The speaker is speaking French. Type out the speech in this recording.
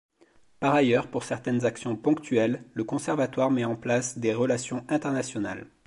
Par ailleurs, pour certaines actions ponctuelles, le conservatoire met en place des relations internationales.